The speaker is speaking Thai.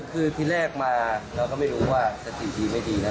คือที่แรกมาเราก็ไม่รู้ว่าสติดีไม่ดีนะ